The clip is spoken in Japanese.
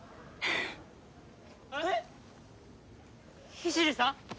聖さん？